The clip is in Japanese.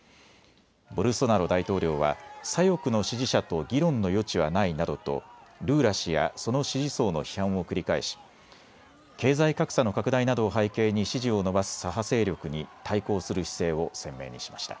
ボルソナロ大統領は左翼の支持者と議論の余地はないなどとルーラ氏やその支持層の批判を繰り返し経済格差の拡大などを背景に支持を伸ばす左派勢力に対抗する姿勢を鮮明にしました。